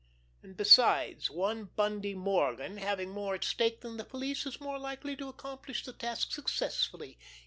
And, besides, one Bundy Morgan, having more at stake than the police, is more likely to accomplish the task successfully.